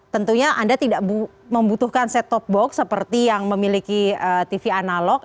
tentunya anda tidak membutuhkan set top box seperti yang memiliki tv analog